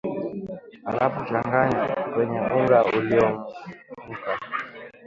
halafu changanya kwenye unga ulioumka